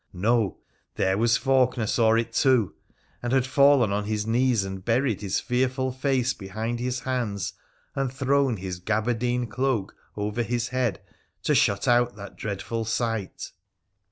No ! there was Faulkener saw it too, and had fallen on his knees and buried his fearful face behind his hands and thrown his gaberdine cloak over his head to shut out that dreadful sight.